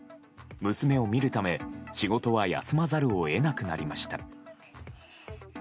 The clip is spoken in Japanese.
娘を見るため、仕事は休まざるを得なくなりました。